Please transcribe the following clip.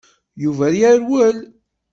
Yuba yerwel.